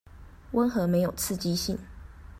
溫和沒有刺激性